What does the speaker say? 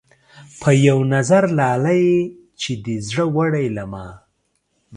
پۀ يو نظر لاليه چې دې زړۀ وړے له ما